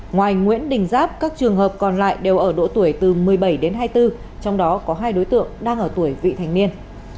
ngoài nguyễn đình giáp các trường hợp còn lại đều ở độ tuổi từ một mươi bảy đến hai mươi bốn trong đó có hai đối tượng đang ở tuổi vị thành niên